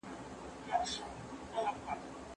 حوصله ستونزې اسانه کوي.